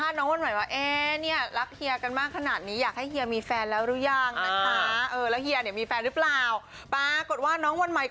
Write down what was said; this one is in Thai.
แต่ถ้าว่าเมื่อวาน